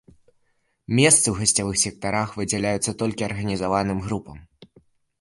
Месцы ў гасцявых сектарах выдзяляюцца толькі арганізаваным групам.